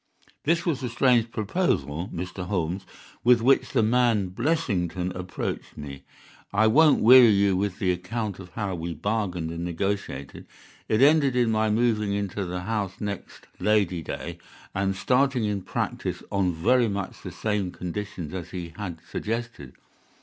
"This was the strange proposal, Mr. Holmes, with which the man Blessington approached me. I won't weary you with the account of how we bargained and negotiated. It ended in my moving into the house next Lady Day, and starting in practice on very much the same conditions as he had suggested.